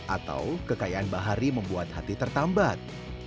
atau kekayaan bahari membuat hati tertambat